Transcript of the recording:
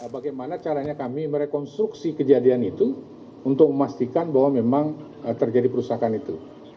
bagaimana caranya kami merekonstruksi kejadian itu untuk memastikan bahwa memang terjadi perusakan itu